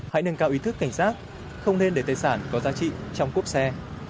hãy nâng cao ý thức cảnh giác không nên để tài sản có giá trị trong cốp xe